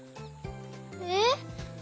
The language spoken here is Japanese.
えっ？